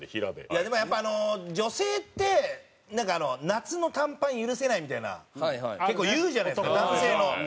いやでもやっぱ女性ってなんか「夏の短パン許せない」みたいな結構言うじゃないですか男性の。